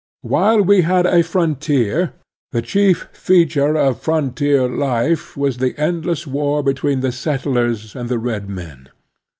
While we had a frontier the chief feature of frontier life was the endless war between the settlers and the red men.